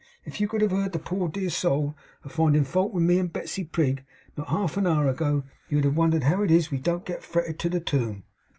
If you could have heerd the poor dear soul a findin fault with me and Betsey Prig, not half an hour ago, you would have wondered how it is we don't get fretted to the tomb.